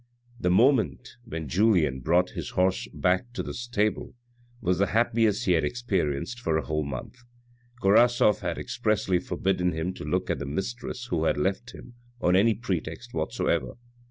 The moment when Julien brought his horse back to the stable was the happiest he had experienced for a whole month. Korasoff had expressly forbidden him to look at the mistress who had left him, on any pretext whatsoever.